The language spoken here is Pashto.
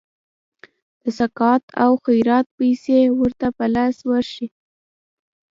د سقاط او خیرات پیسي ورته په لاس ورشي.